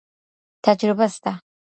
تجربه سته.